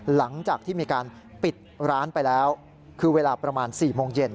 หลังจากที่มีการปิดร้านไปแล้วคือเวลาประมาณ๔โมงเย็น